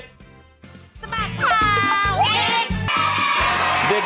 สมัครข่าวเด็ก